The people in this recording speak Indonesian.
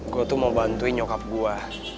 gue tuh mau bantuin nyokap gue